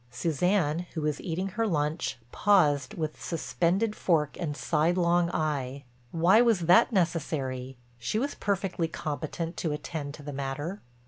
Suzanne, who was eating her lunch, paused with suspended fork and sidelong eye;—why was that necessary, she was perfectly competent to attend to the matter.